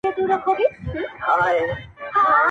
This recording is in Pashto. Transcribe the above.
راته را يې کړې په لپو کي سندرې